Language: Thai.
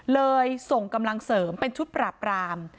ส่งกำลังเสริมเป็นชุดปราบราม